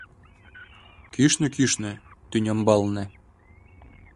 Кӱшнӧ-кӱшнӧ, тӱнямбалне.